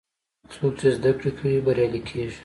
څوک چې زده کړه کوي، بریالی کېږي.